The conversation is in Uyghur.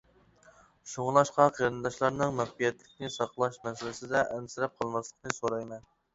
شۇڭلاشقا قېرىنداشلارنىڭ مەخپىيەتلىكنى ساقلاش مەسىلىسىدە ئەنسىرەپ قالماسلىقىنى سورايمەن.